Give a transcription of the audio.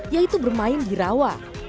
yaitu bermain di rawa